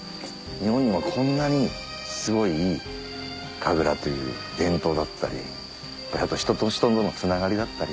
日本にもこんなにすごい神楽という伝統だったり人と人とのつながりだったり。